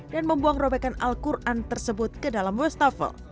dan membuang robekan al quran tersebut ke dalam westafel